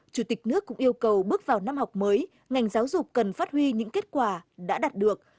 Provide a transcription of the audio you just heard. chủ tịch nước cũng yêu cầu bước vào năm học mới ngành giáo dục cần phát huy những kết quả đã đạt được